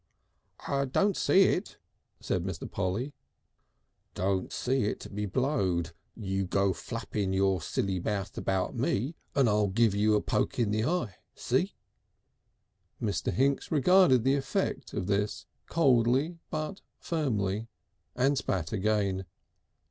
"Don't see it," said Mr. Polly. "Don't see it, be blowed! You go flapping your silly mouth about me and I'll give you a poke in the eye. See?" Mr. Hinks regarded the effect of this coldly but firmly, and spat again.